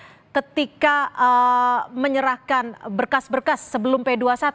kemudian ketika menyerahkan berkas berkas sebelum p dua puluh satu